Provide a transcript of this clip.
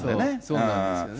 そうなんですよね。